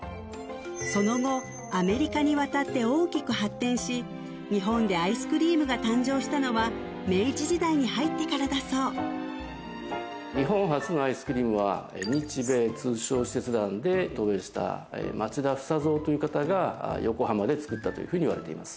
その後アメリカに渡って大きく発展し日本でアイスクリームが誕生したのは明治時代に入ってからだそう日本初のアイスクリームは日米通商使節団で渡米した町田房蔵という方が横浜で作ったというふうにいわれています